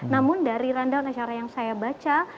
namun dari randal acara yang saya baca